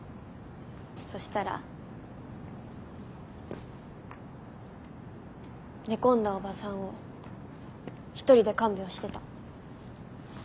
そしたら寝込んだおばさんを一人で看病してた。